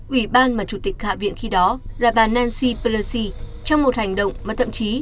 ủy ban mà chủ tịch hạ viện khi đó là bà nancy pelersi trong một hành động mà thậm chí